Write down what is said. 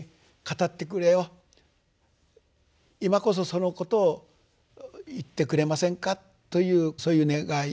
「今こそそのことを言ってくれませんか」というそういう願い祈り